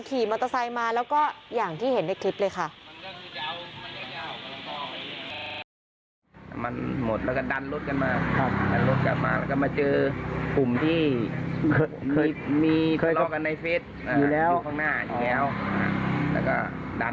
ขี่มอเตอร์ไซค์มาแล้วก็อย่างที่เห็นในคลิปเลยค่ะ